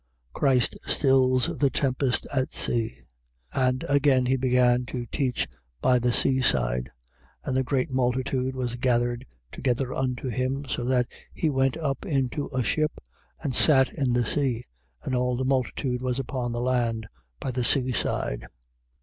Christ stills the tempest at sea. 4:1. And again he began to teach by the sea side; and a great multitude was gathered together unto him, so that he went up into a ship and sat in the sea: and all the multitude was upon the land by the sea side.